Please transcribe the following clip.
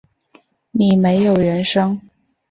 你没有人生